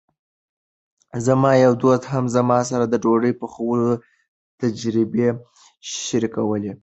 زما یو دوست هم زما سره د ډوډۍ پخولو تجربې شریکولې.